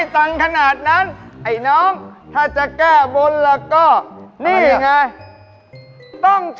ถูกไอ้นี่ถูกสุด